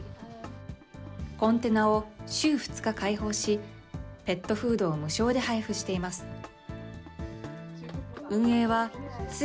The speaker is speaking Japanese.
コンテナを週２日、解放し、ペットフードを無償で配布しています。